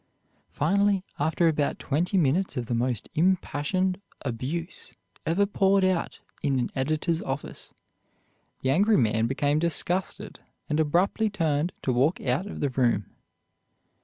Finally, after about twenty minutes of the most impassioned abuse ever poured out in an editor's office, the angry man became disgusted, and abruptly turned to walk out of the room.